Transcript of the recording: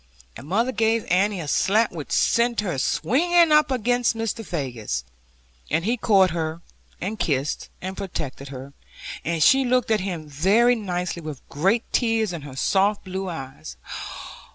And mother gave Annie a slap which sent her swinging up against Mr. Faggus, and he caught her, and kissed and protected her, and she looked at him very nicely, with great tears in her soft blue eyes.